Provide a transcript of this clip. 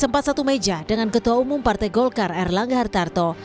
p tiga berdepan di satu meja dengan ketua umum partai golkar erlangga hartarto